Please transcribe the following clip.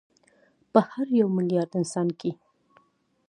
په هر یو میلیارد انسان کې